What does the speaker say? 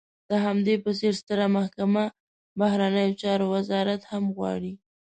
د همدې په څېر ستره محکمه، بهرنیو چارو وزارت هم غواړي.